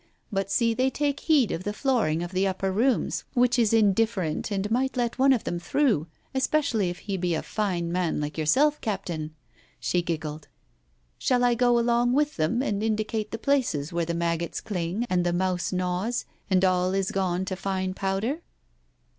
But see they take heed of the flooring of the upper rooms, which is indifferent and might let one of them through, especially if he be a fine man like yourself, Captain 1 " She giggled. "Shall I go along with them, and indicate the places where the maggots cling and the mouse gnaws, and all is gone to fine powder